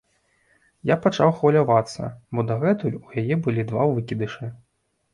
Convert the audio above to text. Я пачаў хвалявацца, бо дагэтуль у яе былі два выкідышы.